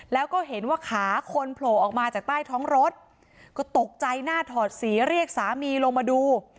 แล้วก็เห็นว่าขาคนโผล่ออกมาจากใต้ท้องรถก็ตกใจหน้าถอดสีเรียกสามีลงมาดู